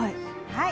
はい。